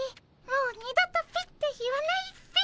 もう二度と「ピッ」て言わないっピ。